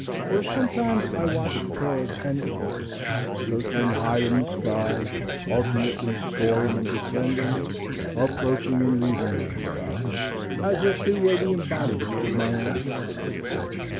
Or sometimes I watched a pair of hen hawks circling high in the sky, alternately soaring and descending, approaching, and leaving one another, as if they were the embodiment of my own thoughts.